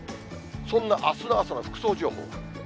そんなあすの朝の服装情報。